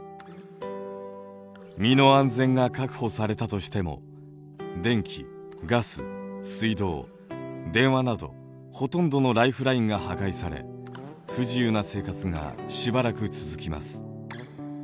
身の安全が確保されたとしても電気ガス水道電話などほとんどのライフラインが破壊され不自由な生活がしばらく続きます。